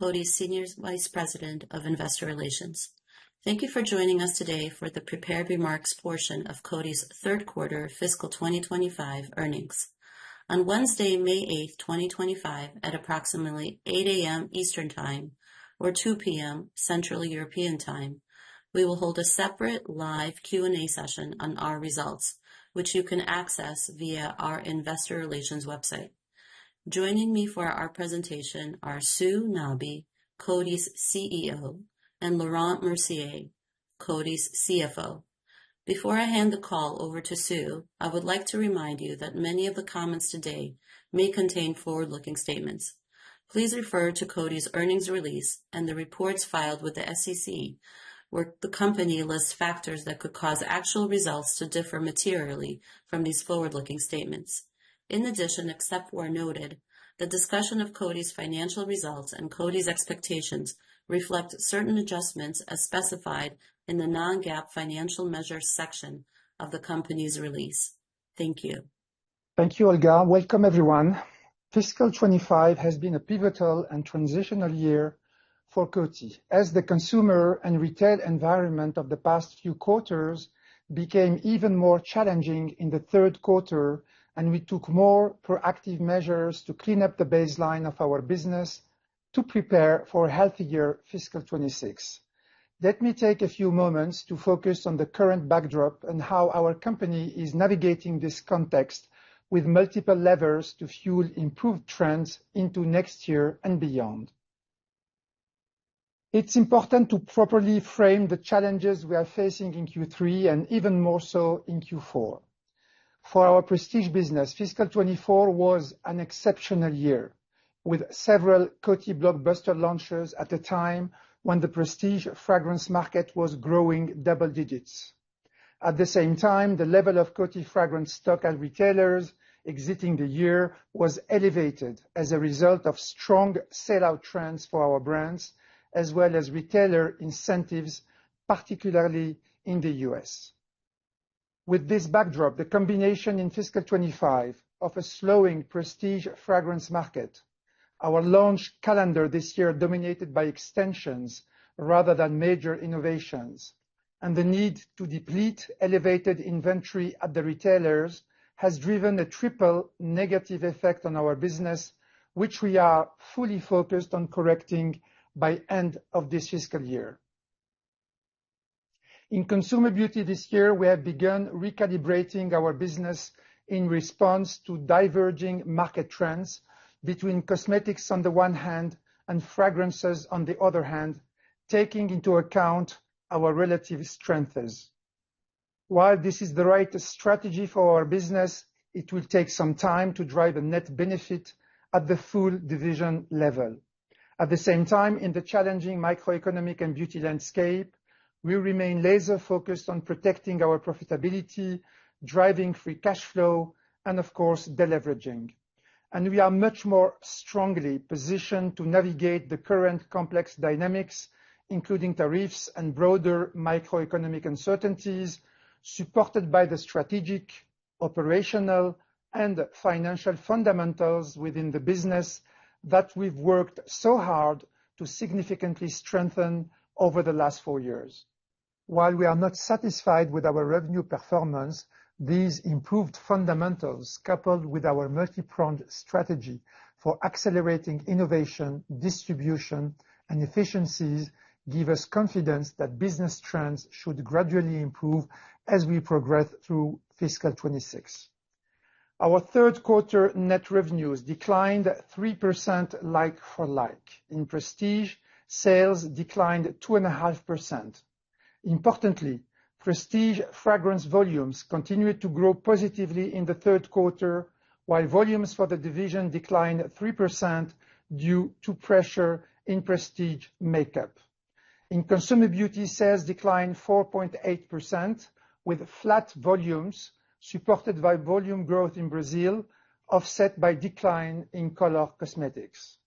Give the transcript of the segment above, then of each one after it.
Coty's Senior Vice President of Investor Relations. Thank you for joining us today for the prepared remarks portion of Coty's third quarter fiscal 2025 earnings. On Wednesday, May 8, 2025, at approximately 8:00 A.M. Eastern Time or 2:00 P.M. Central European Time, we will hold a separate live Q&A session on our results, which you can access via our Investor Relations website. Joining me for our presentation are Sue Nabi, Coty's CEO, and Laurent Mercier, Coty's CFO. Before I hand the call over to Sue, I would like to remind you that many of the comments today may contain forward-looking statements. Please refer to Coty's earnings release and the reports filed with the SEC, where the company lists factors that could cause actual results to differ materially from these forward-looking statements. In addition, except as noted, the discussion of Coty's financial results and Coty's expectations reflect certain adjustments as specified in the non-GAAP financial measures section of the company's release. Thank you. Thank you, Olga. Welcome, everyone. Fiscal 25 has been a pivotal and transitional year for Coty. As the consumer and retail environment of the past few quarters became even more challenging in the third quarter, and we took more proactive measures to clean up the baseline of our business to prepare for a healthier fiscal 26. Let me take a few moments to focus on the current backdrop and how our company is navigating this context with multiple levers to fuel improved trends into next year and beyond. It's important to properly frame the challenges we are facing in Q3 and even more so in Q4. For our prestige business, fiscal 24 was an exceptional year, with several Coty blockbuster launches at a time when the prestige fragrance market was growing double digits. At the same time, the level of Coty fragrance stock and retailers exiting the year was elevated as a result of strong sell-out trends for our brands, as well as retailer incentives, particularly in the U.S. With this backdrop, the combination in fiscal 2025 of a slowing Prestige fragrance market, our launch calendar this year dominated by extensions rather than major innovations, and the need to deplete elevated inventory at the retailers has driven a triple negative effect on our business, which we are fully focused on correcting by the end of this fiscal year. In Consumer Beauty this year, we have begun recalibrating our business in response to diverging market trends between cosmetics on the one hand and fragrances on the other hand, taking into account our relative strengths. While this is the right strategy for our business, it will take some time to drive a net benefit at the full division level. At the same time, icc driving Free Cash Flow, and, of course, deleveraging, and we are much more strongly positioned to navigate the current complex dynamics, including tariffs and broader macroeconomic uncertainties, supported by the strategic, operational, and financial fundamentals within the business that we've worked so hard to significantly strengthen over the last four years. While we are not satisfied with our revenue performance, these improved fundamentals, coupled with our multi-pronged strategy for accelerating innovation, distribution, and efficiencies, give us confidence that business trends should gradually improve as we progress through fiscal 2026. Our third quarter net revenues declined 3% like for like. In Prestige, sales declined 2.5%. Importantly, Prestige fragrance volumes continued to grow positively in the third quarter, while volumes for the division declined 3% due to pressure in Prestige makeup. In Consumer Beauty, sales declined 4.8%, with flat volumes supported by volume growth in Brazil, offset by decline in color cosmetics.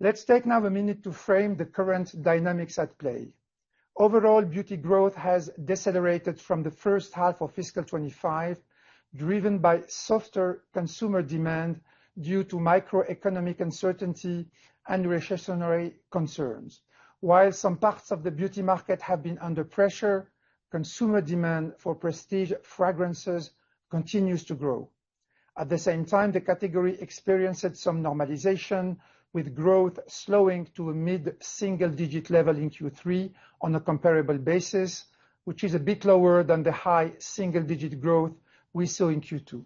Let's take now a minute to frame the current dynamics at play. Overall, beauty growth has decelerated from the first half of fiscal 2025, driven by softer consumer demand due to microeconomic uncertainty and recessionary concerns. While some parts of the beauty market have been under pressure, consumer demand for Prestige fragrances continues to grow. At the same time, the category experienced some normalization, with growth slowing to a mid-single-digit level in Q3 on a comparable basis, which is a bit lower than the high single-digit growth we saw in Q2.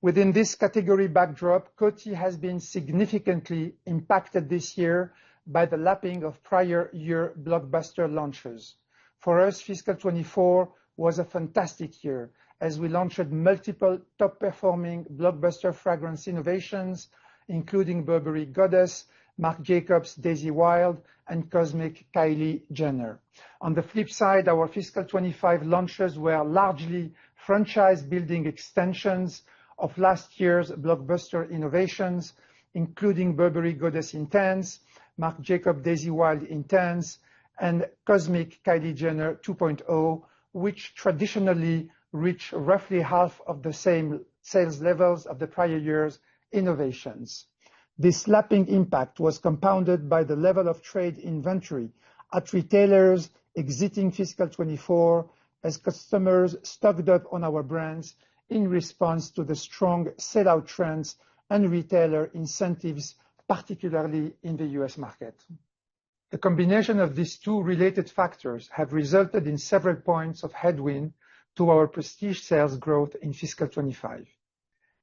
Within this category backdrop, Coty has been significantly impacted this year by the lapping of prior year blockbuster launches. For us, fiscal 2024 was a fantastic year as we launched multiple top-performing blockbuster fragrance innovations, including Burberry Goddess, Marc Jacobs Daisy Wild, and Cosmic Kylie Jenner. On the flip side, our fiscal 2025 launches were largely franchise-building extensions of last year's blockbuster innovations, including Burberry Goddess Intense, Marc Jacobs Daisy Wild Intense, and Cosmic Kylie Jenner 2.0, which traditionally reached roughly half of the same sales levels of the prior year's innovations. This lapping impact was compounded by the level of trade inventory at retailers exiting fiscal 2024 as customers stocked up on our brands in response to the strong sell-out trends and retailer incentives, particularly in the U.S. market. The combination of these two related factors has resulted in several points of headwind to our Prestige sales growth in fiscal 25.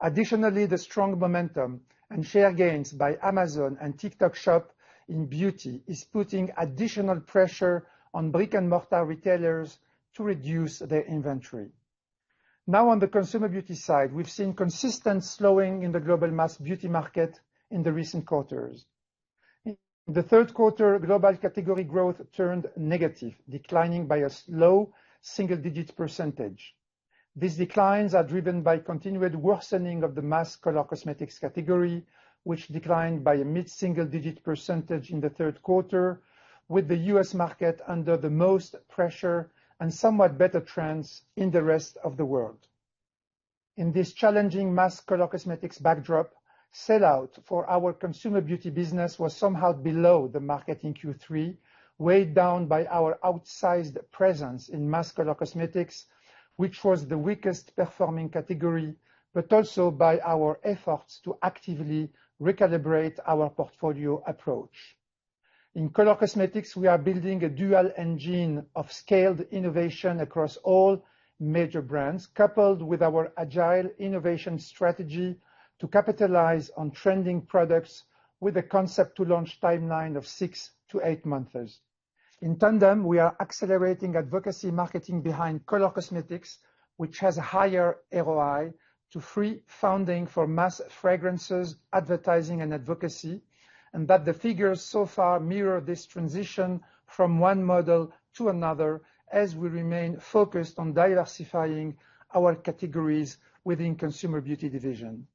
Additionally, the strong momentum and share gains by Amazon and TikTok Shop in beauty are putting additional pressure on brick-and-mortar retailers to reduce their inventory. Now, on the Consumer Beauty side, we've seen consistent slowing in the global mass beauty market in the recent quarters. In the third quarter, global category growth turned negative, declining by a slow single-digit percentage. These declines are driven by continued worsening of the mass color cosmetics category, which declined by a mid-single-digit percentage in the third quarter, with the U.S. market under the most pressure and somewhat better trends in the rest of the world. In this challenging mass color cosmetics backdrop, sell-out for our consumer beauty business was somehow below the market in Q3, weighed down by our outsized presence in mass color cosmetics, which was the weakest performing category, but also by our efforts to actively recalibrate our portfolio approach. In color cosmetics, we are building a dual engine of scaled innovation across all major brands, coupled with our agile innovation strategy to capitalize on trending products with a concept-to-launch timeline of six to eight months. In tandem, we are accelerating advocacy marketing behind color cosmetics, which has a higher ROI to free funding for mass fragrances, advertising, and advocacy, and that the figures so far mirror this transition from one model to another as we remain focused on diversifying our categories within consumer beauty division.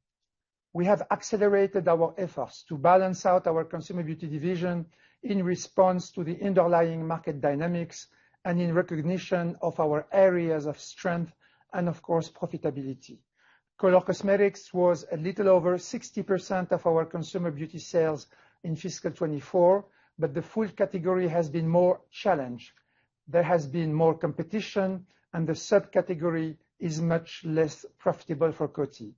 We have accelerated our efforts to balance out our Consumer Beauty division in response to the underlying market dynamics and in recognition of our areas of strength and, of course, profitability. Color cosmetics was a little over 60% of our Consumer Beauty sales in fiscal 2024, but the full category has been more challenged. There has been more competition, and the subcategory is much less profitable for Coty.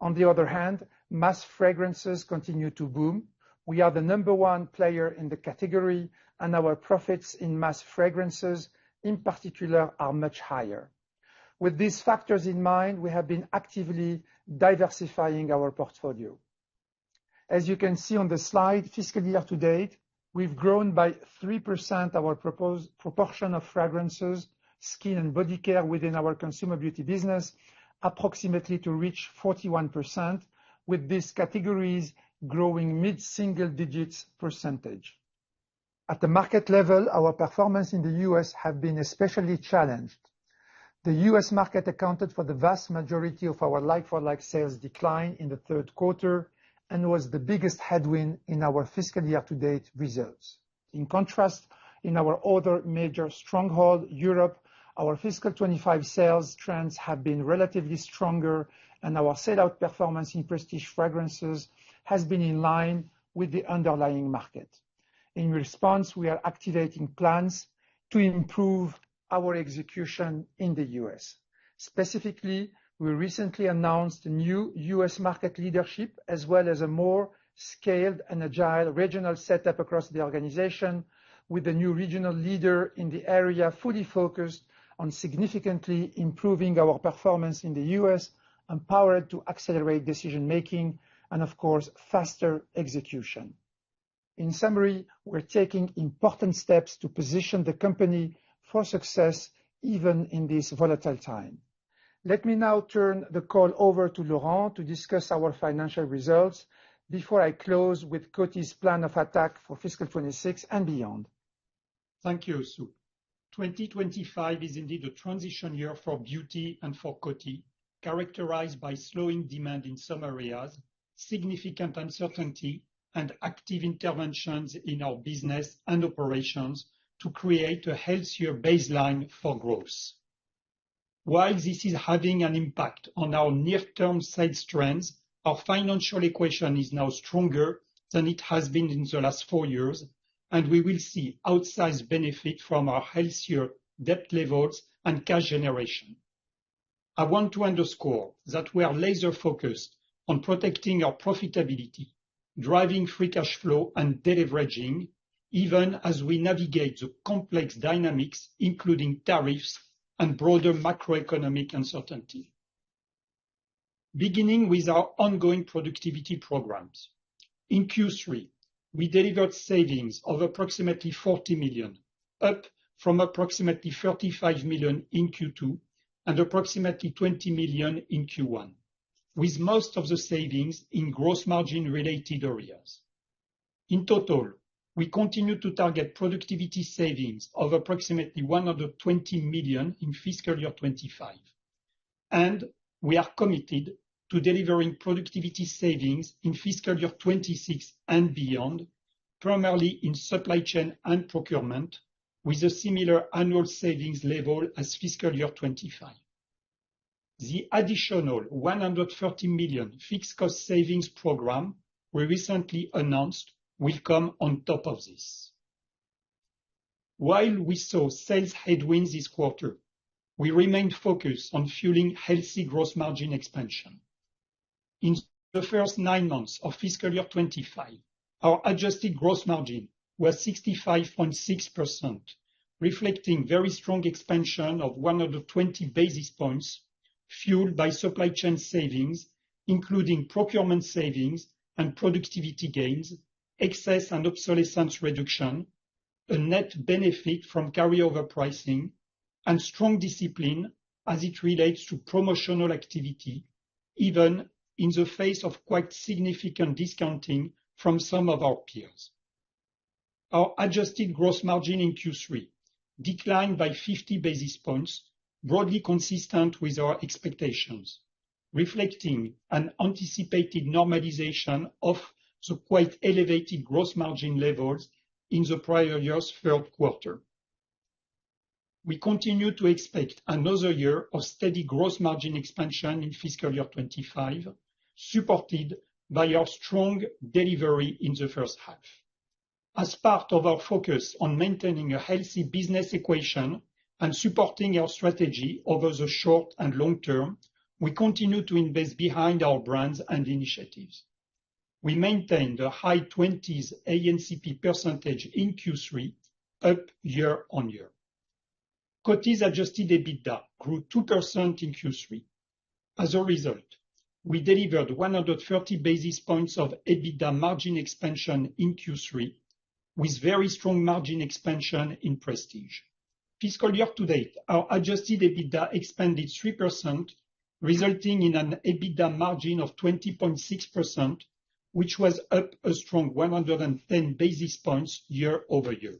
On the other hand, mass fragrances continue to boom. We are the number one player in the category, and our profits in mass fragrances, in particular, are much higher. With these factors in mind, we have been actively diversifying our portfolio. As you can see on the slide, fiscal year to date, we've grown by 3% our proposed proportion of fragrances, skin, and body care within our Consumer Beauty business, approximately to reach 41%, with these categories growing mid-single-digit percentage. At the market level, our performance in the U.S. has been especially challenged. The U.S. market accounted for the vast majority of our Like-for-Like sales decline in the third quarter and was the biggest headwind in our fiscal year-to-date results. In contrast, in our other major stronghold, Europe, our fiscal 2025 sales trends have been relatively stronger, and our sell-out performance in prestige fragrances has been in line with the underlying market. In response, we are activating plans to improve our execution in the U.S. Specifically, we recently announced a new U.S. market leadership, as well as a more scaled and agile regional setup across the organization, with the new regional leader in the area fully focused on significantly improving our performance in the U.S., empowered to accelerate decision-making, and, of course, faster execution. In summary, we're taking important steps to position the company for success even in this volatile time. Let me now turn the call over to Laurent to discuss our financial results before I close with Coty's plan of attack for fiscal 2026 and beyond. Thank you, Sue. 2025 is indeed a transition year for beauty and for Coty, characterized by slowing demand in some areas, significant uncertainty, and active interventions in our business and operations to create a healthier baseline for growth. While this is having an impact on our near-term sales trends, our financial equation is now stronger than it has been in the last four years, and we will see outsized benefits from our healthier debt levels and cash generation. I want to underscore that we are laser-focused on protecting our profitability, driving free cash flow, and deleveraging, even as we navigate the complex dynamics, including tariffs and broader macroeconomic uncertainty. Beginning with our ongoing productivity programs, in Q3, we delivered savings of approximately $40 million, up from approximately $35 million in Q2 and approximately $20 million in Q1, with most of the savings in gross margin-related areas. In total, we continue to target productivity savings of approximately $120 million in fiscal year 2025, and we are committed to delivering productivity savings in fiscal year 2026 and beyond, primarily in supply chain and procurement, with a similar annual savings level as fiscal year 2025. The additional $130 million fixed cost savings program we recently announced will come on top of this. While we saw sales headwinds this quarter, we remained focused on fueling healthy gross margin expansion. In the first nine months of fiscal year 2025, our adjusted gross margin was 65.6%, reflecting very strong expansion of 120 basis points fueled by supply chain savings, including procurement savings and productivity gains, excess and obsolescence reduction, a net benefit from carryover pricing, and strong discipline as it relates to promotional activity, even in the face of quite significant discounting from some of our peers. Our adjusted gross margin in Q3 declined by 50 basis points, broadly consistent with our expectations, reflecting an anticipated normalization of the quite elevated gross margin levels in the prior year's third quarter. We continue to expect another year of steady gross margin expansion in fiscal year 2025, supported by our strong delivery in the first half. As part of our focus on maintaining a healthy business equation and supporting our strategy over the short and long term, we continue to invest behind our brands and initiatives. We maintain the high 20s A&CP percentage in Q3, up year on year. Coty's adjusted EBITDA grew 2% in Q3. As a result, we delivered 130 basis points of EBITDA margin expansion in Q3, with very strong margin expansion in prestige. Fiscal year to date, our Adjusted EBITDA expanded 3%, resulting in an EBITDA margin of 20.6%, which was up a strong 110 basis points year over year.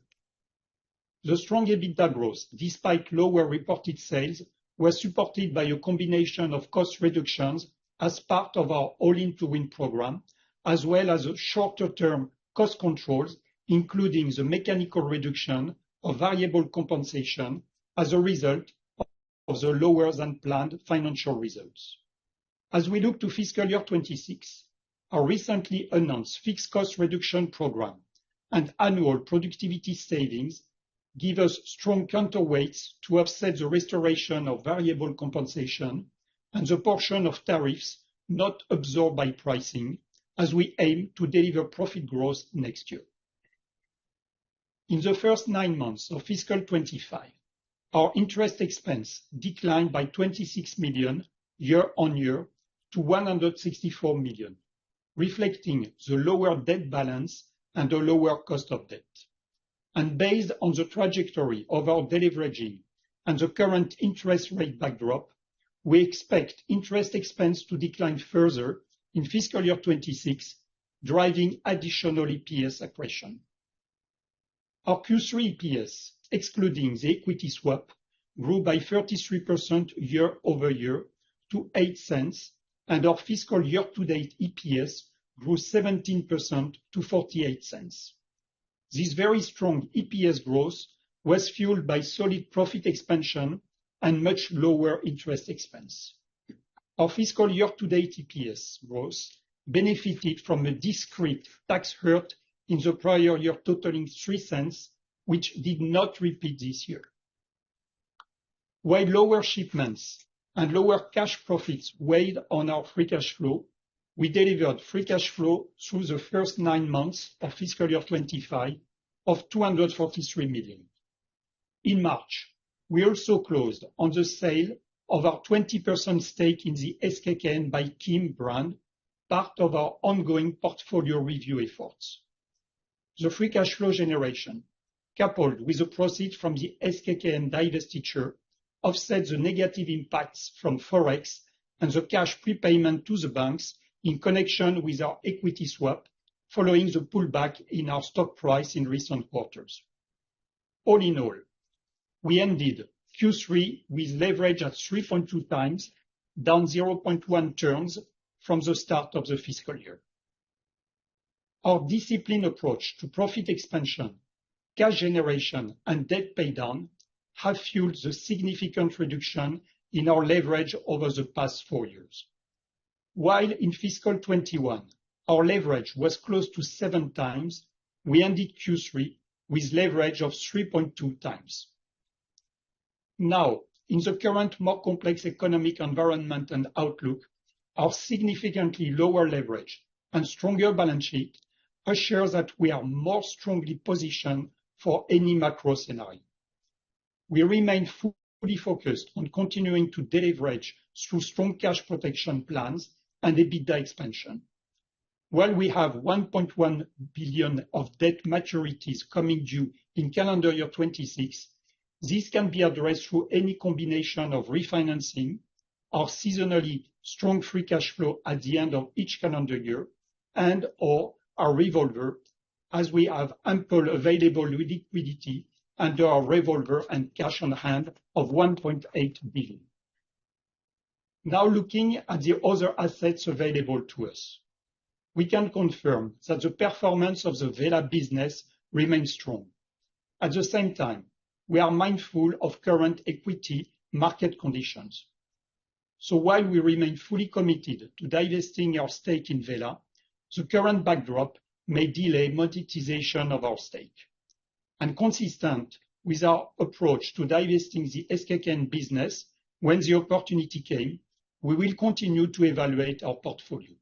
The strong EBITDA growth, despite lower reported sales, was supported by a combination of cost reductions as part of our All-in-to-Win program, as well as shorter-term cost controls, including the mechanical reduction of variable compensation as a result of the lower than planned financial results. As we look to fiscal year 26, our recently announced fixed cost reduction program and annual productivity savings give us strong counterweights to offset the restoration of variable compensation and the portion of tariffs not absorbed by pricing, as we aim to deliver profit growth next year. In the first nine months of fiscal 2025, our interest expense declined by $26 million year on year to $164 million, reflecting the lower debt balance and the lower cost of debt. Based on the trajectory of our deleveraging and the current interest rate backdrop, we expect interest expense to decline further in fiscal year 2026, driving additional EPS accretion. Our Q3 EPS, excluding the equity swap, grew by 33% year over year to $0.08, and our fiscal year-to-date EPS grew 17% to $0.48. This very strong EPS growth was fueled by solid profit expansion and much lower interest expense. Our fiscal year-to-date EPS growth benefited from a discrete tax hit in the prior year totaling $0.03, which did not repeat this year. While lower shipments and lower cash profits weighed on our free cash flow, we delivered free cash flow through the first nine months of fiscal year 2025 of $243 million. In March, we also closed on the sale of our 20% stake in the SKKN BY KIM brand, part of our ongoing portfolio review efforts. The free cash flow generation, coupled with the profit from the SKKN BY KIM divestiture, offset the negative impacts from Forex and the cash prepayment to the banks in connection with our equity swap following the pullback in our stock price in recent quarters. All in all, we ended Q3 with leverage at 3.2 times, down 0.1 turns from the start of the fiscal year. Our disciplined approach to profit expansion, cash generation, and debt paydown have fueled the significant reduction in our leverage over the past four years. While in fiscal 2021, our leverage was close to seven times, we ended Q3 with leverage of 3.2 times. Now, in the current more complex economic environment and outlook, our significantly lower leverage and stronger balance sheet assures that we are more strongly positioned for any macro scenario. We remain fully focused on continuing to deleverage through strong cash protection plans and EBITDA expansion. While we have $1.1 billion of debt maturities coming due in calendar year 2026, this can be addressed through any combination of refinancing, our seasonally strong free cash flow at the end of each calendar year, and/or our revolver, as we have ample available liquidity under our revolver and cash on hand of $1.8 billion. Now, looking at the other assets available to us, we can confirm that the performance of the Wella business remains strong. At the same time, we are mindful of current equity market conditions. So, while we remain fully committed to divesting our stake in Wella, the current backdrop may delay monetization of our stake. And consistent with our approach to divesting the SKKN business when the opportunity came, we will continue to evaluate our portfolio.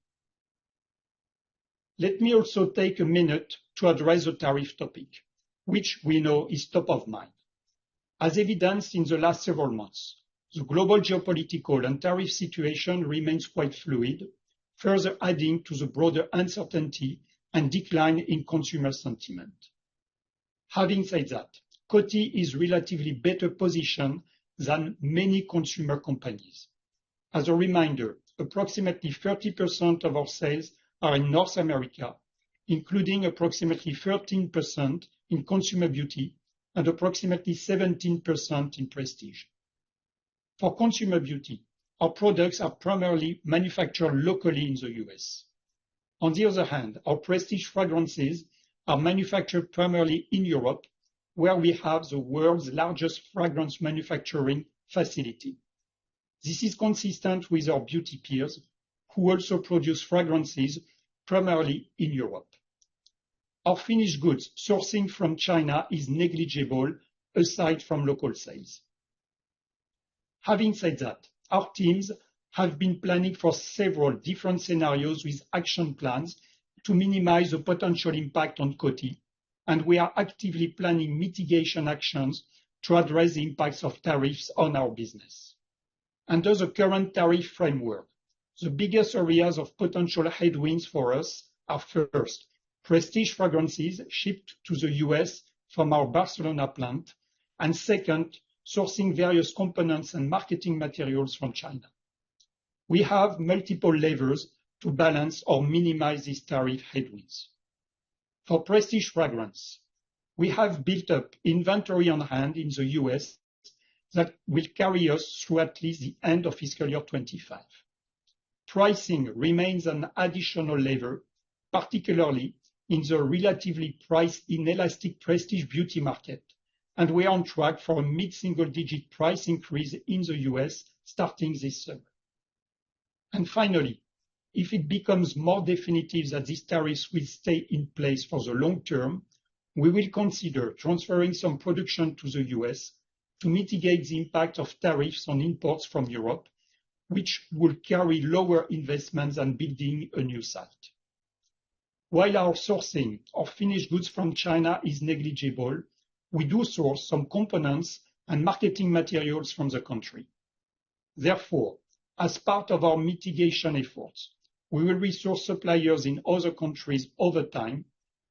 Let me also take a minute to address the tariff topic, which we know is top of mind. As evidenced in the last several months, the global geopolitical and tariff situation remains quite fluid, further adding to the broader uncertainty and decline in consumer sentiment. Having said that, Coty is relatively better positioned than many consumer companies. As a reminder, approximately 30% of our sales are in North America, including approximately 13% in Consumer Beauty and approximately 17% in Prestige. For Consumer Beauty, our products are primarily manufactured locally in the U.S. On the other hand, our prestige fragrances are manufactured primarily in Europe, where we have the world's largest fragrance manufacturing facility. This is consistent with our beauty peers, who also produce fragrances primarily in Europe. Our finished goods sourcing from China is negligible aside from local sales. Having said that, our teams have been planning for several different scenarios with action plans to minimize the potential impact on Coty, and we are actively planning mitigation actions to address the impacts of tariffs on our business. Under the current tariff framework, the biggest areas of potential headwinds for us are first, prestige fragrances shipped to the U.S. from our Barcelona plant, and second, sourcing various components and marketing materials from China. We have multiple levers to balance or minimize these tariff headwinds. For prestige fragrance, we have built up inventory on hand in the U.S. that will carry us through at least the end of fiscal year 2025. Pricing remains an additional lever, particularly in the relatively priced inelastic prestige beauty market, and we are on track for a mid-single-digit price increase in the U.S. starting this summer. And finally, if it becomes more definitive that these tariffs will stay in place for the long term, we will consider transferring some production to the U.S. to mitigate the impact of tariffs on imports from Europe, which will carry lower investments and building a new site. While our sourcing of finished goods from China is negligible, we do source some components and marketing materials from the country. Therefore, as part of our mitigation efforts, we will resource suppliers in other countries over time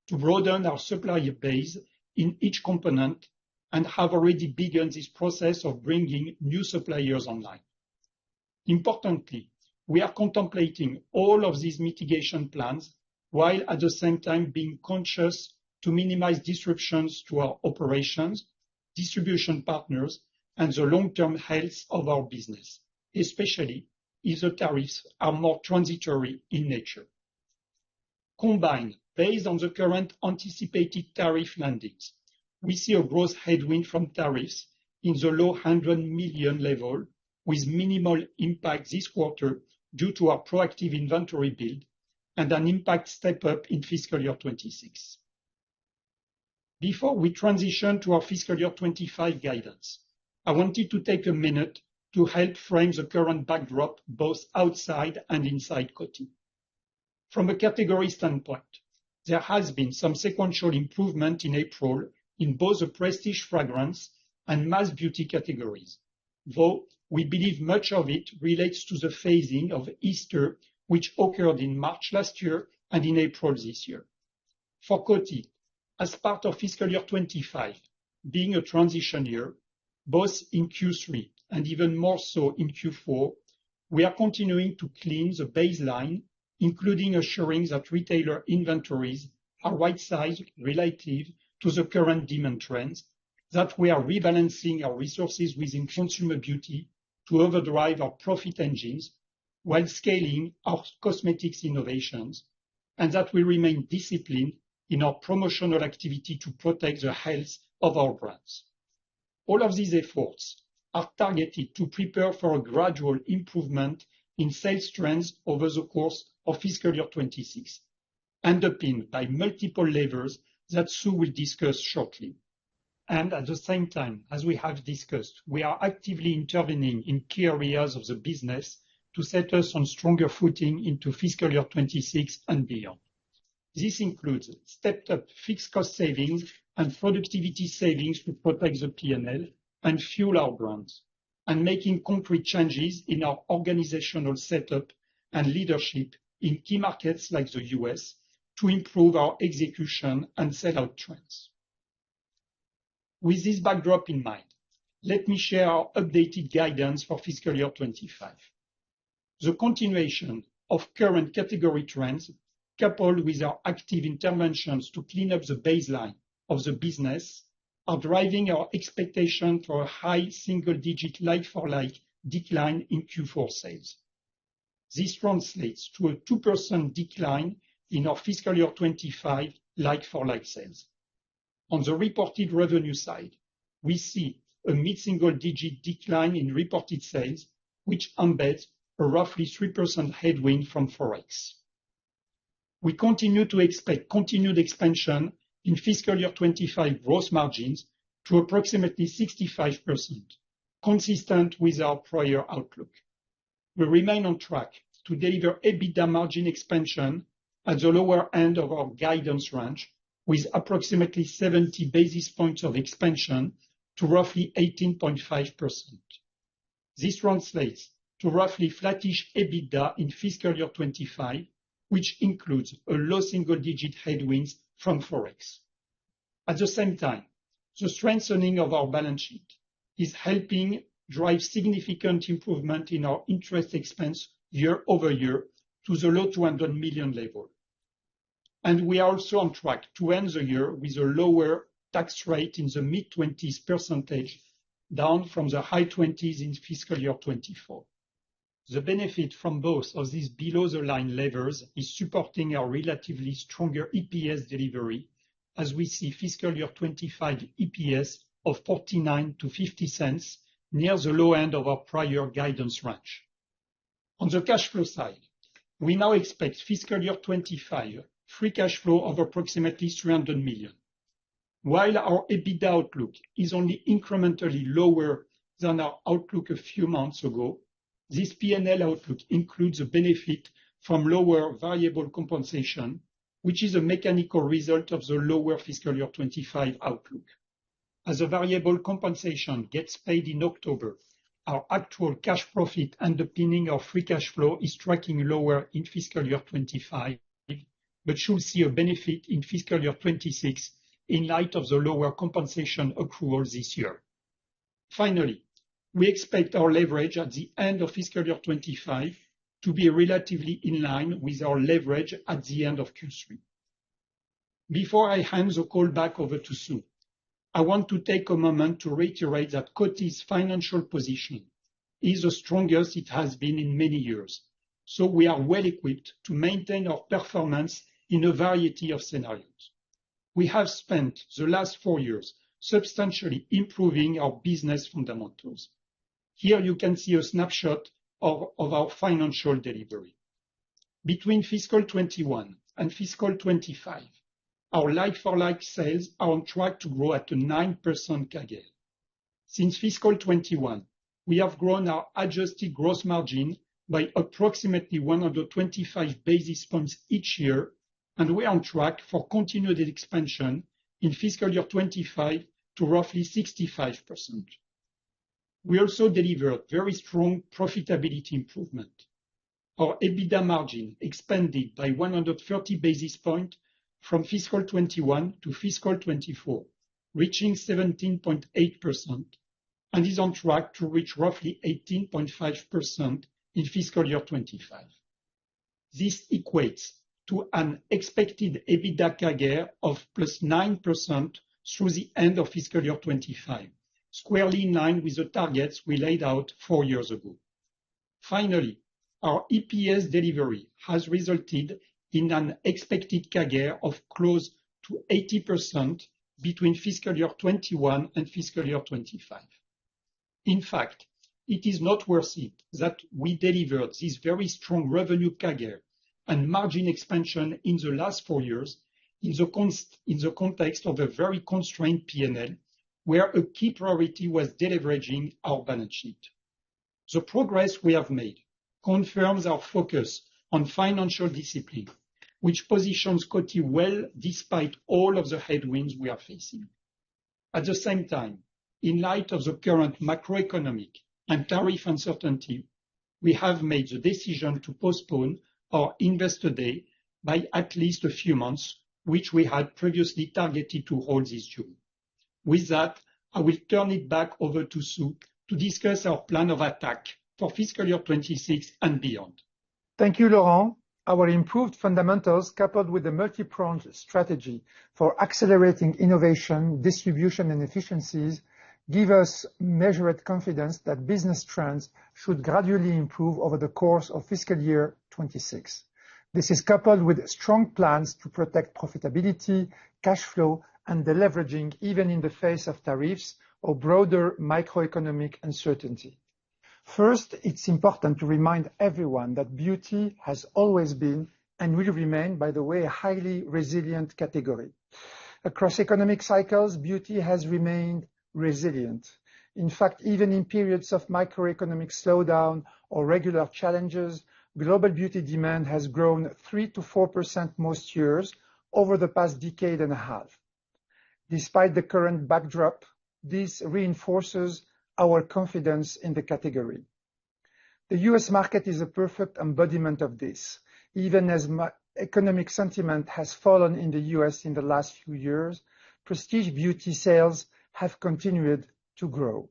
to broaden our supplier base in each component and have already begun this process of bringing new suppliers online. Importantly, we are contemplating all of these mitigation plans while at the same time being conscious to minimize disruptions to our operations, distribution partners, and the long-term health of our business, especially if the tariffs are more transitory in nature. Combined, based on the current anticipated tariff landings, we see a gross headwind from tariffs in the low $100 million level, with minimal impact this quarter due to our proactive inventory build and an impact step-up in fiscal year 2026. Before we transition to our fiscal year 2025 guidance, I wanted to take a minute to help frame the current backdrop both outside and inside Coty. From a category standpoint, there has been some sequential improvement in April in both the prestige fragrance and mass beauty categories, though we believe much of it relates to the phasing of Easter, which occurred in March last year and in April this year. For Coty, as part of fiscal year 25, being a transition year, both in Q3 and even more so in Q4, we are continuing to clean the baseline, including assuring that retailer inventories are right-sized relative to the current demand trends, that we are rebalancing our resources within consumer beauty to overdrive our profit engines while scaling our cosmetics innovations, and that we remain disciplined in our promotional activity to protect the health of our brands. All of these efforts are targeted to prepare for a gradual improvement in sales trends over the course of fiscal year 26, underpinned by multiple levers that Sue will discuss shortly. And at the same time, as we have discussed, we are actively intervening in key areas of the business to set us on stronger footing into fiscal year 26 and beyond. This includes stepped-up fixed cost savings and productivity savings to protect the P&L and fuel our brands, and making concrete changes in our organizational setup and leadership in key markets like the U.S. to improve our execution and sell-out trends. With this backdrop in mind, let me share our updated guidance for fiscal year 25. The continuation of current category trends, coupled with our active interventions to clean up the baseline of the business, are driving our expectation for a high single-digit like-for-like decline in Q4 sales. This translates to a 2% decline in our fiscal year 2025 like-for-like sales. On the reported revenue side, we see a mid-single-digit decline in reported sales, which embeds a roughly 3% headwind from Forex. We continue to expect continued expansion in fiscal year 2025 gross margins to approximately 65%, consistent with our prior outlook. We remain on track to deliver EBITDA margin expansion at the lower end of our guidance range, with approximately 70 basis points of expansion to roughly 18.5%. This translates to roughly flattish EBITDA in fiscal year 2025, which includes a low single-digit headwinds from Forex. At the same time, the strengthening of our balance sheet is helping drive significant improvement in our interest expense year over year to the low $200 million level. We are also on track to end the year with a lower tax rate in the mid-20s%, down from the high 20s% in fiscal year 2024. The benefit from both of these below-the-line levers is supporting our relatively stronger EPS delivery, as we see fiscal year 2025 EPS of $0.49-$0.50 near the low end of our prior guidance range. On the cash flow side, we now expect fiscal year 2025 free cash flow of approximately $300 million. While our EBITDA outlook is only incrementally lower than our outlook a few months ago, this P&L outlook includes a benefit from lower variable compensation, which is a mechanical result of the lower fiscal year 2025 outlook. As the variable compensation gets paid in October, our actual cash profit underpinning our free cash flow is tracking lower in fiscal year 2025, but should see a benefit in fiscal year 2026 in light of the lower compensation accrual this year. Finally, we expect our leverage at the end of fiscal year 2025 to be relatively in line with our leverage at the end of Q3. Before I hand the call back over to Sue, I want to take a moment to reiterate that Coty's financial position is the strongest it has been in many years, so we are well equipped to maintain our performance in a variety of scenarios. We have spent the last four years substantially improving our business fundamentals. Here, you can see a snapshot of our financial delivery. Between fiscal 2021 and fiscal 2025, our like-for-like sales are on track to grow at a 9% CAGR. Since fiscal 2021, we have grown our adjusted gross margin by approximately 125 basis points each year, and we are on track for continued expansion in fiscal year 2025 to roughly 65%. We also delivered very strong profitability improvement. Our EBITDA margin expanded by 130 basis points from fiscal 2021 to fiscal 2024, reaching 17.8%, and is on track to reach roughly 18.5% in fiscal year 2025. This equates to an expected EBITDA CAGR of plus 9% through the end of fiscal year 2025, squarely in line with the targets we laid out four years ago. Finally, our EPS delivery has resulted in an expected CAGR of close to 80% between fiscal year 2021 and fiscal year 2025. In fact, it is noteworthy it that we delivered this very strong revenue CAGR and margin expansion in the last four years in the context of a very constrained P&L, where a key priority was deleveraging our balance sheet. The progress we have made confirms our focus on financial discipline, which positions Coty well despite all of the headwinds we are facing. At the same time, in light of the current macroeconomic and tariff uncertainty, we have made the decision to postpone our investor day by at least a few months, which we had previously targeted to hold this June. With that, I will turn it back over to Sue to discuss our plan of attack for fiscal year 26 and beyond. Thank you, Laurent. Our improved fundamentals, coupled with the multi-pronged strategy for accelerating innovation, distribution, and efficiencies, give us measured confidence that business trends should gradually improve over the course of fiscal year 26. This is coupled with strong plans to protect profitability, cash flow, and the leveraging even in the face of tariffs or broader microeconomic uncertainty. First, it's important to remind everyone that beauty has always been and will remain, by the way, a highly resilient category. Across economic cycles, beauty has remained resilient. In fact, even in periods of microeconomic slowdown or regular challenges, global beauty demand has grown 3%-4% most years over the past decade and a half. Despite the current backdrop, this reinforces our confidence in the category. The U.S. market is a perfect embodiment of this. Even as economic sentiment has fallen in the U.S. in the last few years, prestige beauty sales have continued to grow.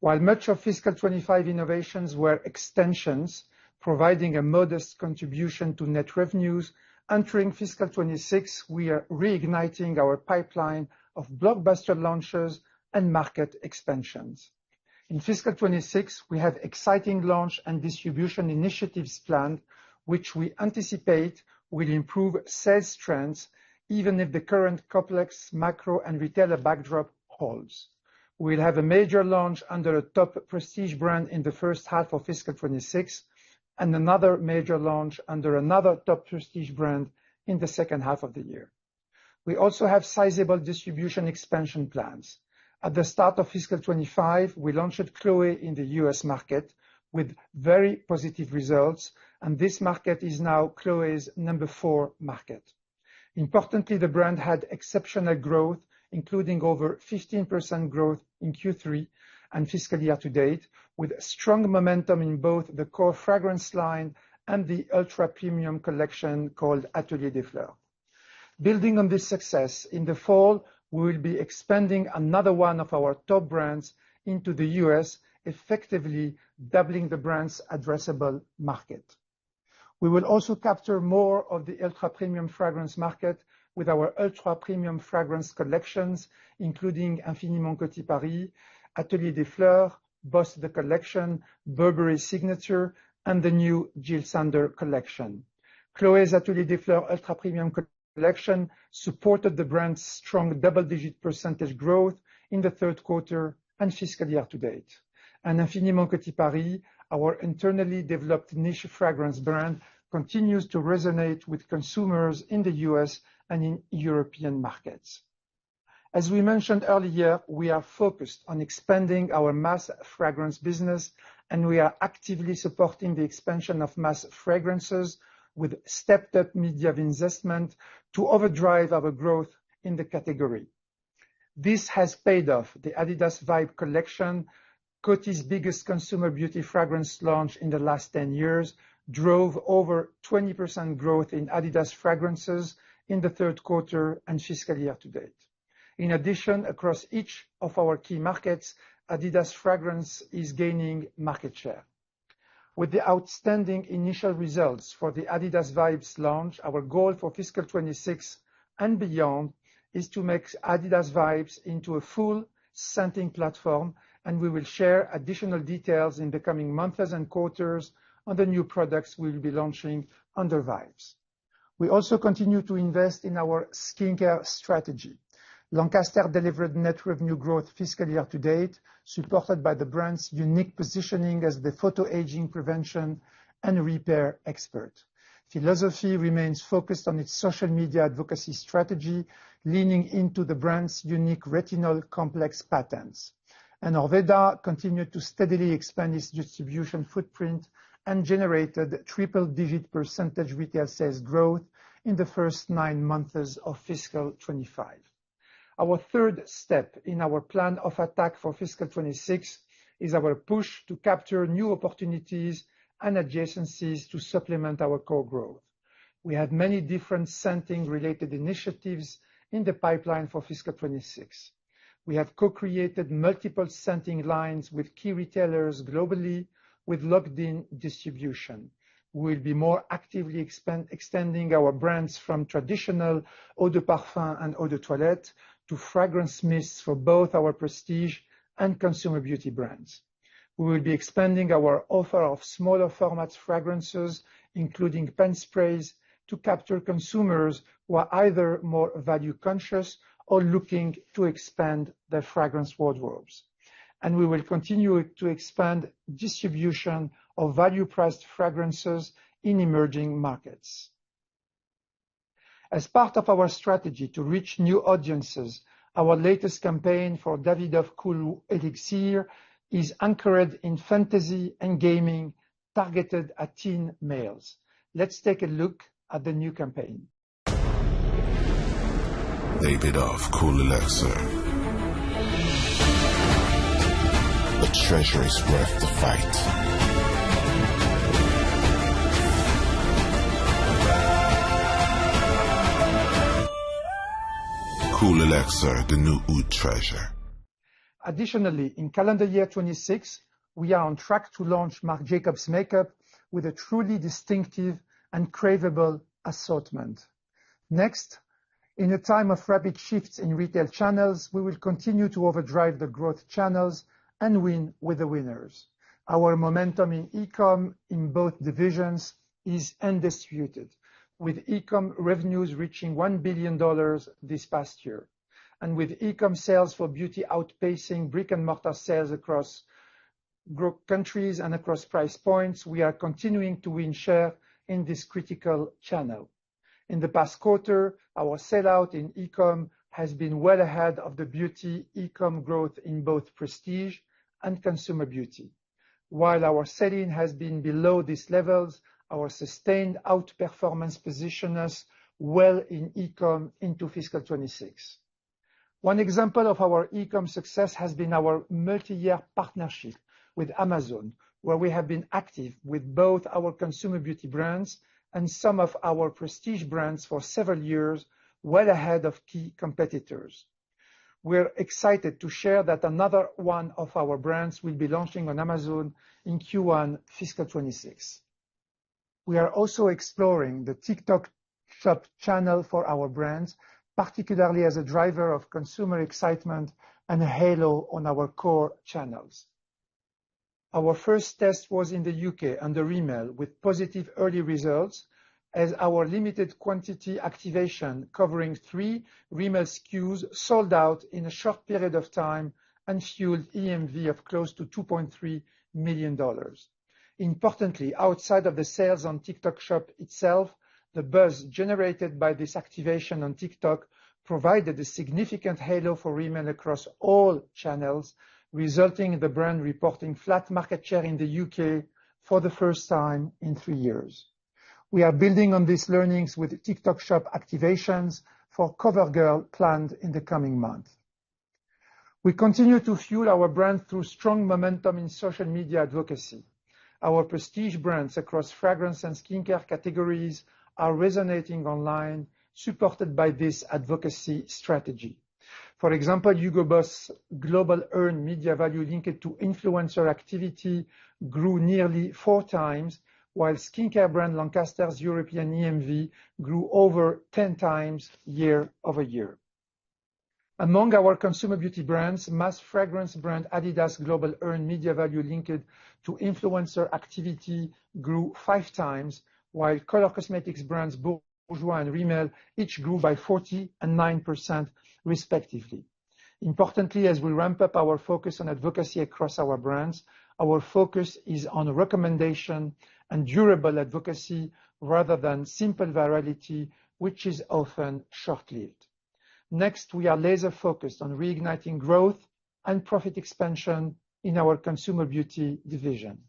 While much of fiscal 2025 innovations were extensions, providing a modest contribution to net revenues, entering fiscal 2026, we are reigniting our pipeline of blockbuster launches and market expansions. In fiscal 2026, we have exciting launch and distribution initiatives planned, which we anticipate will improve sales trends even if the current complex macro and retailer backdrop holds. We will have a major launch under a top prestige brand in the first half of fiscal 2026 and another major launch under another top prestige brand in the second half of the year. We also have sizable distribution expansion plans. At the start of fiscal 2025, we launched Chloé in the U.S. market with very positive results, and this market is now Chloé's number four market. Importantly, the brand had exceptional growth, including over 15% growth in Q3 and fiscal year to date, with strong momentum in both the core fragrance line and the ultra-premium collection called Atelier des Fleurs. Building on this success, in the fall, we will be expanding another one of our top brands into the U.S., effectively doubling the brand's addressable market. We will also capture more of the ultra-premium fragrance market with our ultra-premium fragrance collections, including Infiniment Coty Paris, Atelier des Fleurs, Boss The Collection, Burberry Signatures, and the new Jil Sander Collection. Chloé's Atelier des Fleurs ultra-premium collection supported the brand's strong double-digit % growth in the third quarter and fiscal year to date. And Infiniment Coty Paris, our internally developed niche fragrance brand, continues to resonate with consumers in the U.S. and in European markets. As we mentioned earlier, we are focused on expanding our mass fragrance business, and we are actively supporting the expansion of mass fragrances with stepped-up media investment to overdrive our growth in the category. This has paid off. The Adidas Vibes Collection, Coty's biggest consumer beauty fragrance launch in the last 10 years, drove over 20% growth in Adidas fragrances in the third quarter and fiscal year to date. In addition, across each of our key markets, Adidas fragrance is gaining market share. With the outstanding initial results for the Adidas Vibes launch, our goal for fiscal 2026 and beyond is to make Adidas Vibes into a full-fledged platform, and we will share additional details in the coming months and quarters on the new products we will be launching under Vibes. We also continue to invest in our skincare strategy. Lancaster delivered net revenue growth fiscal year to date, supported by the brand's unique positioning as the photoaging prevention and repair expert. Philosophy remains focused on its social media advocacy strategy, leaning into the brand's unique retinol complex patents. And Orveda continued to steadily expand its distribution footprint and generated triple-digit % retail sales growth in the first nine months of fiscal 2025. Our third step in our plan of attack for fiscal 2026 is our push to capture new opportunities and adjacencies to supplement our core growth. We have many different scenting-related initiatives in the pipeline for fiscal 2026. We have co-created multiple scenting lines with key retailers globally with locked-in distribution. We will be more actively extending our brands from traditional eau de parfum and eau de toilette to fragrance mists for both our prestige and consumer beauty brands. We will be expanding our offer of smaller formats fragrances, including pen sprays, to capture consumers who are either more value-conscious or looking to expand their fragrance wardrobes, and we will continue to expand distribution of value-priced fragrances in emerging markets. As part of our strategy to reach new audiences, our latest campaign for Davidoff Cool Elixir is anchored in fantasy and gaming, targeted at teen males. Let's take a look at the new campaign. Davidoff Cool Elixir. The treasure is worth the fight. Cool Elixir, the new oud treasure. Additionally, in calendar year 2026, we are on track to launch Marc Jacobs Makeup with a truly distinctive and craveable assortment. Next, in a time of rapid shifts in retail channels, we will continue to overdrive the growth channels and win with the winners. Our momentum in e-comm in both divisions is undisputed, with e-comm revenues reaching $1 billion this past year, and with e-comm sales for beauty outpacing brick-and-mortar sales across group countries and across price points, we are continuing to win share in this critical channel. In the past quarter, our sellout in e-comm has been well ahead of the beauty e-comm growth in both prestige and consumer beauty. While our selling has been below these levels, our sustained outperformance positions us well in e-comm into fiscal 26. One example of our e-comm success has been our multi-year partnership with Amazon, where we have been active with both our consumer beauty brands and some of our prestige brands for several years, well ahead of key competitors. We're excited to share that another one of our brands will be launching on Amazon in Q1 fiscal 26. We are also exploring the TikTok Shop channel for our brands, particularly as a driver of consumer excitement and a halo on our core channels. Our first test was in the U.K. under Rimmel, with positive early results, as our limited quantity activation covering three Rimmel SKUs sold out in a short period of time and fueled EMV of close to $2.3 million. Importantly, outside of the sales on TikTok Shop itself, the buzz generated by this activation on TikTok provided a significant halo for Rimmel across all channels, resulting in the brand reporting flat market share in the U.K. for the first time in three years. We are building on these learnings with TikTok Shop activations for CoverGirl planned in the coming month. We continue to fuel our brand through strong momentum in social media advocacy. Our prestige brands across fragrance and skincare categories are resonating online, supported by this advocacy strategy. For example, Hugo Boss' global earned media value linked to influencer activity grew nearly four times, while skincare brand Lancaster's European EMV grew over 10 times year over year. Among our consumer beauty brands, mass fragrance brand Adidas' global earned media value linked to influencer activity grew five times, while color cosmetics brands Bourjois and Rimmel each grew by 40% and 9% respectively. Importantly, as we ramp up our focus on advocacy across our brands, our focus is on recommendation and durable advocacy rather than simple virality, which is often short-lived. Next, we are laser-focused on reigniting growth and profit expansion in our consumer beauty division.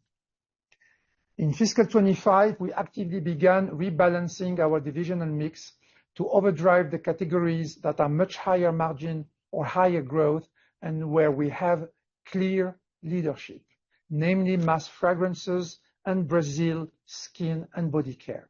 In fiscal 2025, we actively began rebalancing our division and mix to overdrive the categories that are much higher margin or higher growth and where we have clear leadership, namely mass fragrances and Brazil skin and body care.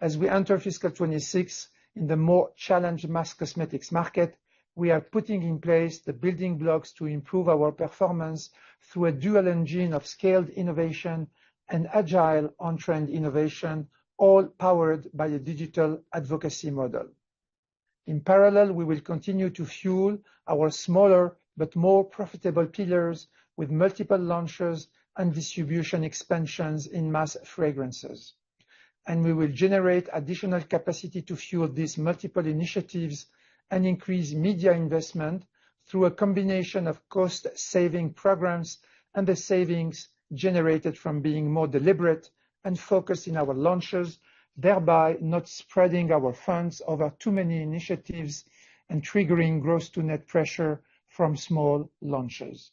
As we enter fiscal 2026 in the more challenged mass cosmetics market, we are putting in place the building blocks to improve our performance through a dual engine of scaled innovation and agile on-trend innovation, all powered by a digital advocacy model. In parallel, we will continue to fuel our smaller but more profitable pillars with multiple launches and distribution expansions in mass fragrances. And we will generate additional capacity to fuel these multiple initiatives and increase media investment through a combination of cost-saving programs and the savings generated from being more deliberate and focused in our launches, thereby not spreading our funds over too many initiatives and triggering gross-to-net pressure from small launches.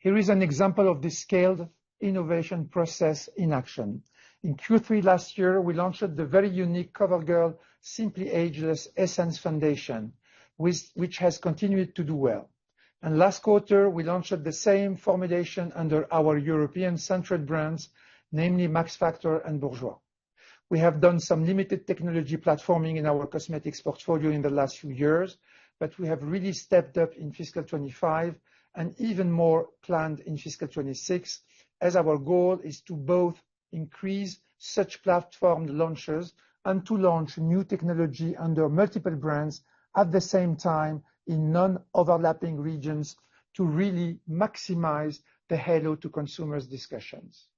Here is an example of the scaled innovation process in action. In Q3 last year, we launched the very unique CoverGirl Simply Ageless Essence Foundation, which has continued to do well. And last quarter, we launched the same formulation under our European-centric brands, namely Max Factor and Bourjois. We have done some limited technology platforming in our cosmetics portfolio in the last few years, but we have really stepped up in fiscal 2025 and even more planned in fiscal 2026, as our goal is to both increase such platform launches and to launch new technology under multiple brands at the same time in non-overlapping regions to really maximize the halo to consumers discussions.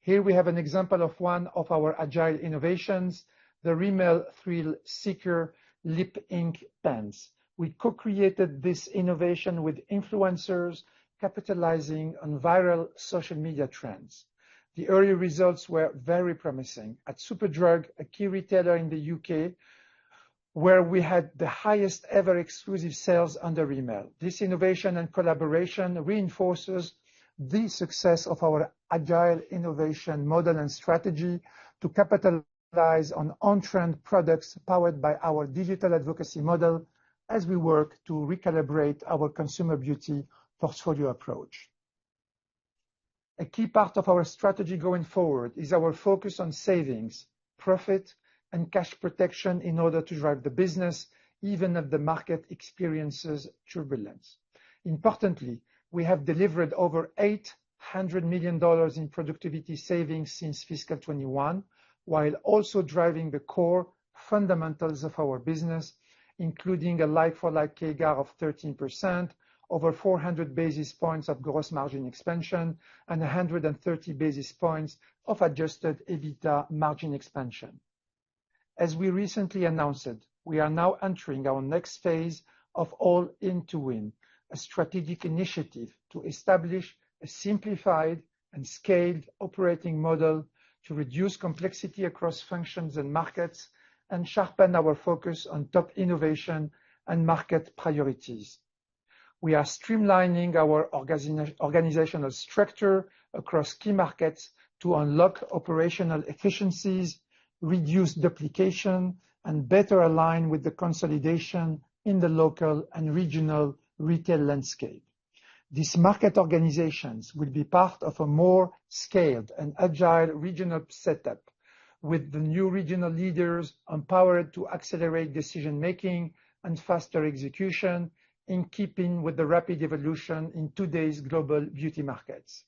Here we have an example of one of our agile innovations, the Rimmel Thrill Seeker Lip Ink Pens. We co-created this innovation with influencers capitalizing on viral social media trends. The early results were very promising at Superdrug, a key retailer in the U.K., where we had the highest-ever exclusive sales under Rimmel. This innovation and collaboration reinforces the success of our agile innovation model and strategy to capitalize on on-trend products powered by our digital advocacy model as we work to recalibrate our consumer beauty portfolio approach. A key part of our strategy going forward is our focus on savings, profit, and cash protection in order to drive the business even as the market experiences turbulence. Importantly, we have delivered over $800 million in productivity savings since fiscal 2021, while also driving the core fundamentals of our business, including a like-for-like CAGR of 13%, over 400 basis points of gross margin expansion, and 130 basis points of Adjusted EBITDA margin expansion. As we recently announced, we are now entering our next phase of All-in-to-Win, a strategic initiative to establish a simplified and scaled operating model to reduce complexity across functions and markets and sharpen our focus on top innovation and market priorities. We are streamlining our organizational structure across key markets to unlock operational efficiencies, reduce duplication, and better align with the consolidation in the local and regional retail landscape. These market organizations will be part of a more scaled and agile regional setup, with the new regional leaders empowered to accelerate decision-making and faster execution in keeping with the rapid evolution in today's global beauty markets.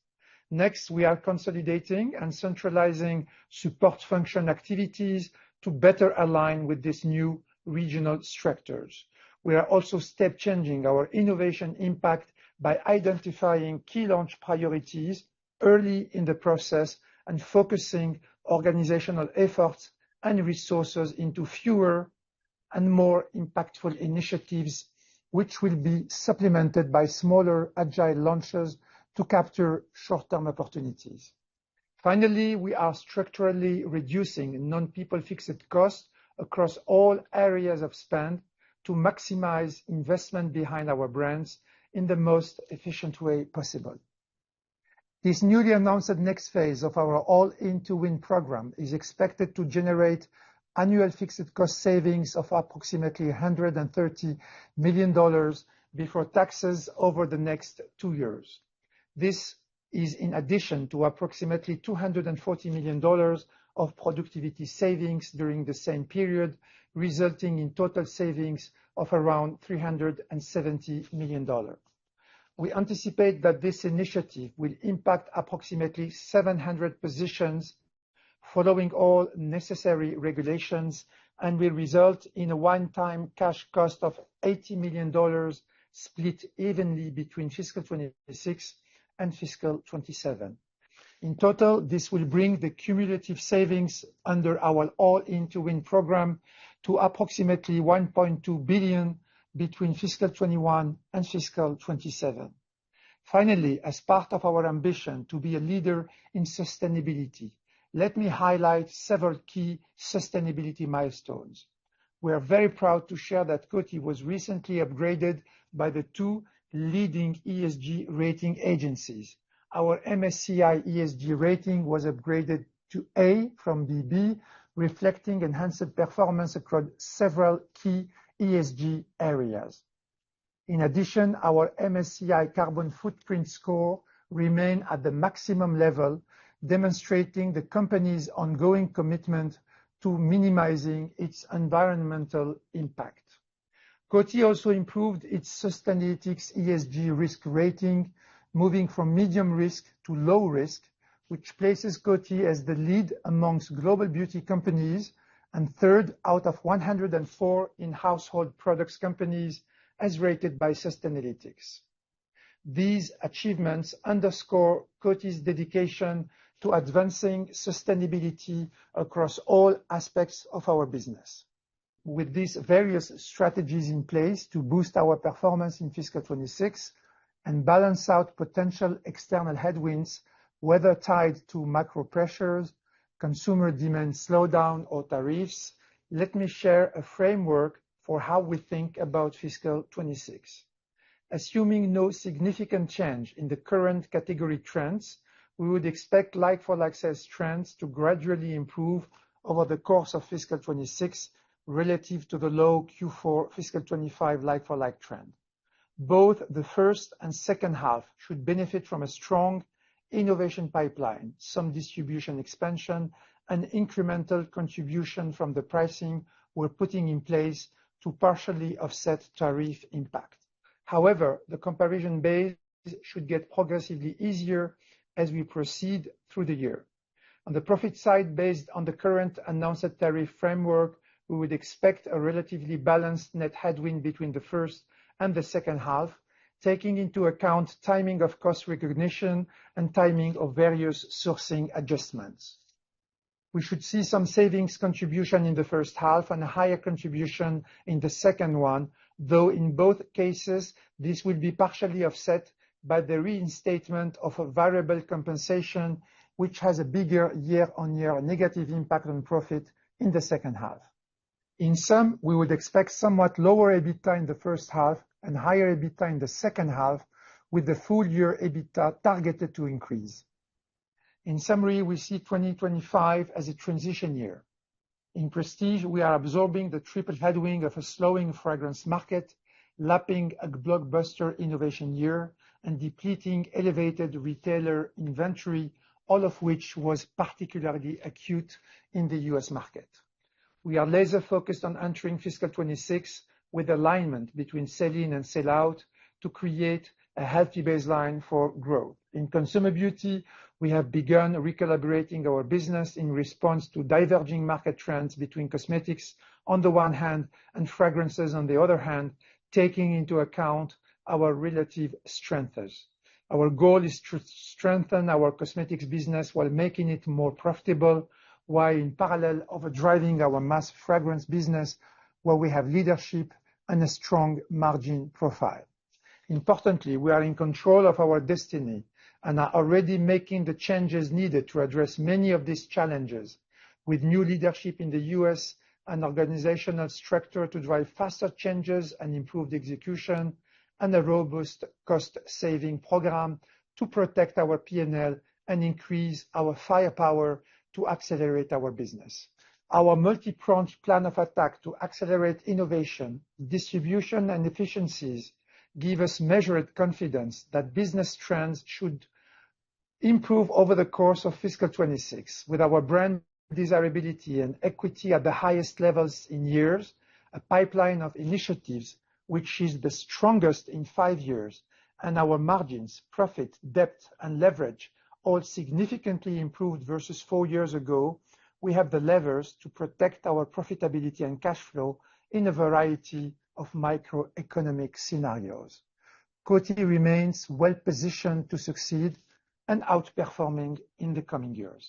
Next, we are consolidating and centralizing support function activities to better align with these new regional structures. We are also step-changing our innovation impact by identifying key launch priorities early in the process and focusing organizational efforts and resources into fewer and more impactful initiatives, which will be supplemented by smaller agile launches to capture short-term opportunities. Finally, we are structurally reducing non-people fixed costs across all areas of spend to maximize investment behind our brands in the most efficient way possible. This newly announced next phase of our All-in-to-Win program is expected to generate annual fixed cost savings of approximately $130 million before taxes over the next two years. This is in addition to approximately $240 million of productivity savings during the same period, resulting in total savings of around $370 million. We anticipate that this initiative will impact approximately 700 positions following all necessary regulations and will result in a one-time cash cost of $80 million split evenly between fiscal 26 and fiscal 27. In total, this will bring the cumulative savings under our All-in-to-Win program to approximately $1.2 billion between fiscal 2021 and fiscal 2027. Finally, as part of our ambition to be a leader in sustainability, let me highlight several key sustainability milestones. We are very proud to share that Coty was recently upgraded by the two leading ESG rating agencies. Our MSCI ESG rating was upgraded to A from BB, reflecting enhanced performance across several key ESG areas. In addition, our MSCI Carbon Footprint Score remained at the maximum level, demonstrating the company's ongoing commitment to minimizing its environmental impact. Coty also improved its sustainability ESG risk rating, moving from medium risk to low risk, which places Coty as the lead amongst global beauty companies and third out of 104 household products companies as rated by Sustainalytics. These achievements underscore Coty's dedication to advancing sustainability across all aspects of our business. With these various strategies in place to boost our performance in fiscal 2026 and balance out potential external headwinds, whether tied to macro pressures, consumer demand slowdown, or tariffs, let me share a framework for how we think about fiscal 2026. Assuming no significant change in the current category trends, we would expect like-for-like sales trends to gradually improve over the course of fiscal 2026 relative to the low Q4 fiscal 2025 like-for-like trend. Both the first and second half should benefit from a strong innovation pipeline, some distribution expansion, and incremental contribution from the pricing we're putting in place to partially offset tariff impact. However, the comparison base should get progressively easier as we proceed through the year. On the profit side, based on the current announced tariff framework, we would expect a relatively balanced net headwind between the first and the second half, taking into account timing of cost recognition and timing of various sourcing adjustments. We should see some savings contribution in the first half and a higher contribution in the second one, though in both cases, this will be partially offset by the reinstatement of a variable compensation, which has a bigger year-over-year negative impact on profit in the second half. In sum, we would expect somewhat lower EBITDA in the first half and higher EBITDA in the second half, with the full-year EBITDA targeted to increase. In summary, we see 2025 as a transition year. In Prestige, we are absorbing the triple headwind of a slowing fragrance market, lapping a blockbuster innovation year, and depleting elevated retailer inventory, all of which was particularly acute in the U.S. market. We are laser-focused on entering fiscal 2026 with alignment between sell-in and sell-out to create a healthy baseline for growth. In Consumer Beauty, we have begun recalibrating our business in response to diverging market trends between cosmetics on the one hand and fragrances on the other hand, taking into account our relative strengths. Our goal is to strengthen our cosmetics business while making it more profitable, while in parallel overdriving our mass fragrance business where we have leadership and a strong margin profile. Importantly, we are in control of our destiny and are already making the changes needed to address many of these challenges with new leadership in the U.S. and organizational structure to drive faster changes and improved execution and a robust cost-saving program to protect our P&L and increase our firepower to accelerate our business. Our multi-pronged plan of attack to accelerate innovation, distribution, and efficiencies gives us measured confidence that business trends should improve over the course of fiscal 2026. With our brand desirability and equity at the highest levels in years, a pipeline of initiatives, which is the strongest in five years, and our margins, profit, debt, and leverage all significantly improved versus four years ago, we have the levers to protect our profitability and cash flow in a variety of microeconomic scenarios. Coty remains well-positioned to succeed and outperforming in the coming years.